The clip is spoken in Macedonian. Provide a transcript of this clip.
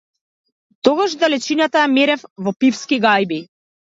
Тогаш далечината ја мерев во пивски гајби.